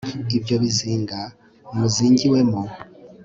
ibyo bizinga muzingiwemo